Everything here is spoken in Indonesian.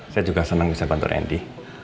saya juga senang bisa bantu randy